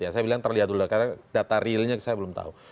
saya bilang terlihat dulu karena data realnya saya belum tahu